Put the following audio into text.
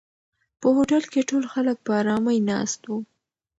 په هوټل کې ټول خلک په آرامۍ ناست وو.